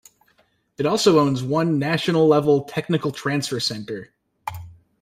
It also owns one National-level Technical Transfer Center.